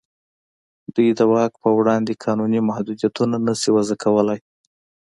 دوی د واک په وړاندې قانوني محدودیتونه نه شي وضع کولای.